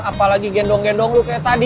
apalagi gendong gendong lu kayak tadi